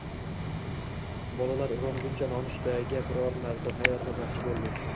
Bolalar uyg`onguncha nonushtaga biror narsa tayyorlamoqchi bo`ldi